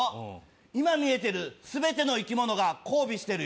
今見えてる全ての生き物が交尾してるよ